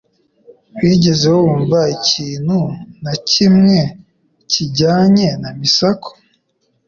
Wigeze wumva ikintu na kimwe kijyanye na Misako